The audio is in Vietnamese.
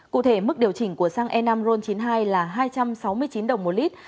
cụ thể mức điều chỉnh của xăng e năm ron chín mươi hai là hai trăm sáu mươi chín đồng một lít